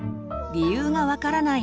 理由が分からない